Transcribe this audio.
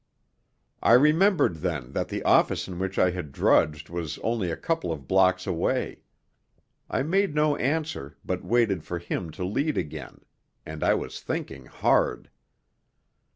I remembered then that the office in which I had drudged was only a couple of blocks away. I made no answer, but waited for him to lead again and I was thinking hard.